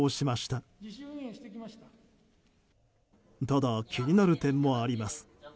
ただ、気になる点もあります。